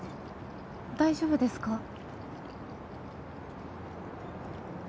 大丈夫ですか？